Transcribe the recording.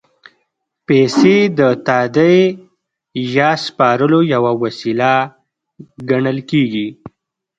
پیسې د تادیې یا سپارلو یوه وسیله ګڼل کېږي